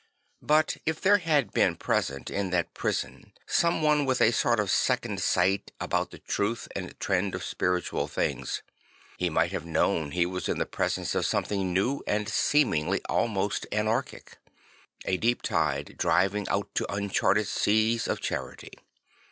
But if there had been present in that prison someone with a sort of second sight about the truth and trend of spiritual things, he might ha ve known he was in the presence of something ne\v and seem ingly almost anarchic; a deep tide driving out to uncharted seas of charity.